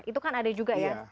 itu kan ada juga ya